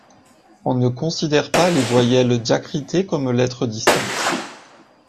On ne considère pas les voyelles diacritées comme lettres distinctes.